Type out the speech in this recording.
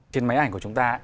trên máy ảnh của chúng ta